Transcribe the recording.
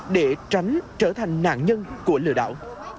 để tránh trở thành nạn nhân của lừa đảo